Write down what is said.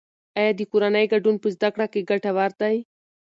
آیا د کورنۍ ګډون په زده کړه کې ګټور دی؟